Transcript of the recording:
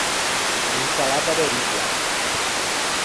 Unn’insalatta de ricoa.